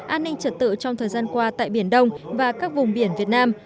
an ninh trật tự trong thời gian qua tại biển đông và các vùng biển việt nam